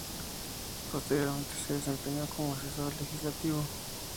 Posteriormente se desempeñó como Asesor Legislativo.